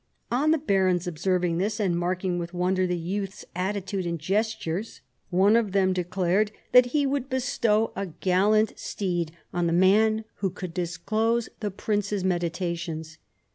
On the barons observing this, and marking with wonder the youth's attitude and gestures, one of them declared that he would bestow a gallant 36 PHILIP AUGUSTUS chap. steed on the man who could disclose the prince's medita tions.